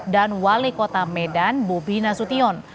dan wali kota medan bobi nasution